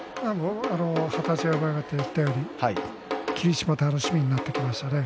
二十山親方が言ったように霧島、楽しみになってきましたね。